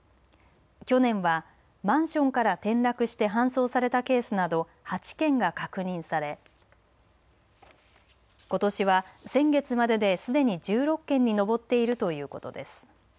去年はマンションから転落して搬送されたケースなど８件が確認されことしは先月までですでに１６件に上っているということです。